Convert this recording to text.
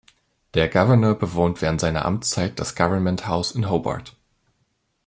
Der Gouverneur bewohnt während seiner Amtszeit das Government House in Hobart.